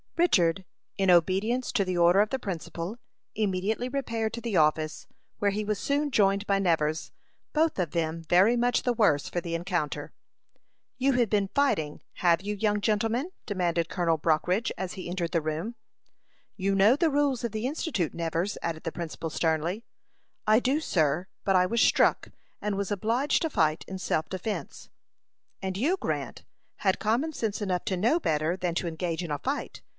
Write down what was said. Richard, in obedience to the order of the principal, immediately repaired to the office, where he was soon joined by Nevers, both of them very much the worse for the encounter. "You have been fighting have you, young gentlemen?" demanded Colonel Brockridge, as he entered the room. "Yes, sir," replied both of the culprits, in the same breath. "You know the rules of the Institute, Nevers," added the principal, sternly. "I do, sir; but I was struck, and was obliged to fight in self defence." "And you, Grant, had common sense enough to know better than to engage in a fight.